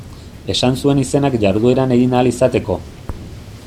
Esan zuen izenak jardueran egin ahal izateko.